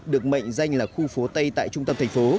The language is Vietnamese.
được mệnh danh là khu phố tây tại trung tâm thành phố